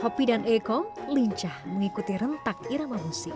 hopi dan eko lincah mengikuti rentak irama musik